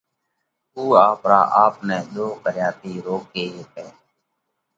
اُو آپرا آپ نئہ ۮوه ڪريا ٿِي روڪي هيڪئه۔